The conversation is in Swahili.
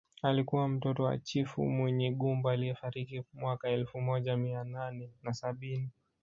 Alikuwa mtoto wa chifu Munyigumba aliyefariki mwaka elfu moja mia nane na sabini